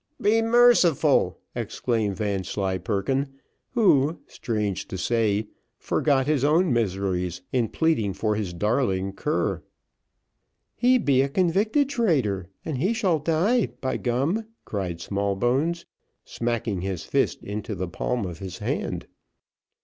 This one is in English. "Be merciful!" exclaimed Vanslyperken, who, strange to say, forgot his own miseries in pleading for his darling cur. "He be a convicted traitor, and he shall die, by gum!" cried Smallbones, smacking his fist into the palm of his hand.